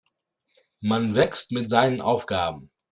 Man wächst mit seinen Aufgaben.